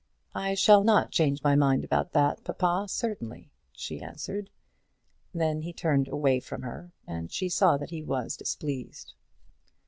"I shall not change my mind about that, papa, certainly," she answered. Then he turned away from her, and she saw that he was displeased.